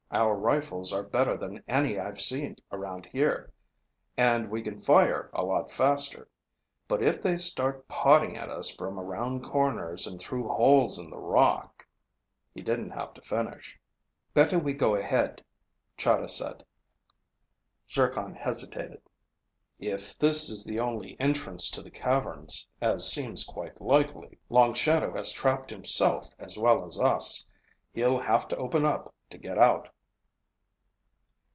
Our rifles are better than any I've seen around here, and we can fire a lot faster. But if they start potting at us from around corners and through holes in the rock...." He didn't have to finish. "Better we go ahead," Chahda said. Zircon hesitated. "If this is the only entrance to the caverns, as seems quite likely, Long Shadow has trapped himself as well as us. He'll have to open up to get out."